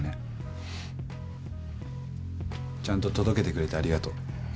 ちゃんと届けてくれてありがとう。